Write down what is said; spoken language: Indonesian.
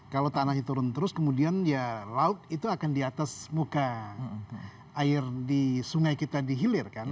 kalau tanah itu turun terus kemudian ya laut itu akan di atas muka air di sungai kita dihilirkan